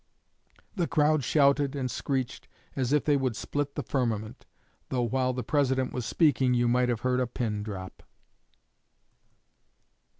The crowd shouted and screeched as if they would split the firmament, though while the President was speaking you might have heard a pin drop."